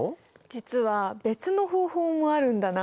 実は別の方法もあるんだな。